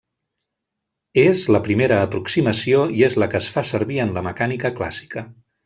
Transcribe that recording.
És la primera aproximació i és la que es fa servir en la mecànica clàssica.